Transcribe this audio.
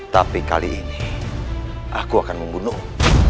tapi kali ini aku akan membunuh